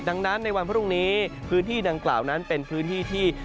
ดังนั้นในวันพรุ่งนี้พื้นที่ดังกล่าวนั้นเป็นพื้นที่ที่